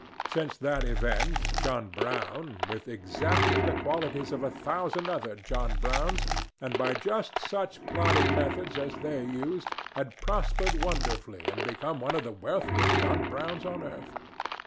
Since that event, John Brown, with exactly the qualities of a thousand other John Browns, and by just such plodding methods as they used, had prospered wonderfully and become one of the wealthiest John Browns on earth.